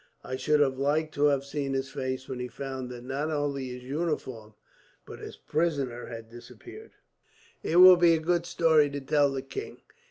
I should have liked to have seen his face when he found that not only his uniform, but his prisoner, had disappeared. "It will be a good story to tell the king.